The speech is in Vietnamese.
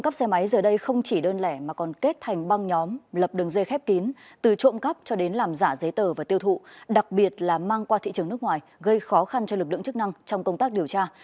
trộm cắp xe máy giờ đây không chỉ đơn lẻ mà còn kết thành băng nhóm lập đường dây khép kín từ trộm cắp cho đến làm giả giấy tờ và tiêu thụ đặc biệt là mang qua thị trường nước ngoài gây khó khăn cho lực lượng chức năng trong công tác điều tra